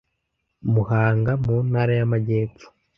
Muhanga mu Ntara y Amajyepfo